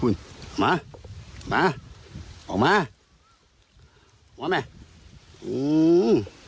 อุ้ยมามาออกมาวะแม่อู๋